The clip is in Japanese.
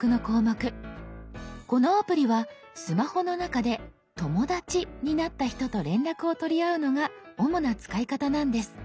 このアプリはスマホの中で「友だち」になった人と連絡を取り合うのが主な使い方なんです。